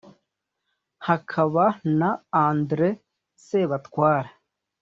hakaba na andré sebatware,